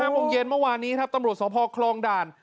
โมงเย็นเมื่อวานนี้ครับตำรวจสพคลองด่าน